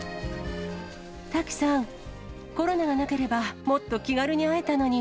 タキさん、コロナがなければもっと気軽に会えたのに。